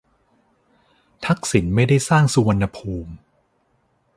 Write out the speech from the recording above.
ทักษิณไม่ได้สร้างสุวรรณภูมิ